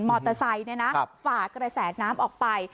มอเตอร์ไซด์นะฮะฝากระแสนน้ำออกไป